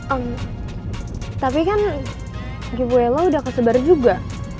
eh tapi kan giveaway lo udah kesebar juga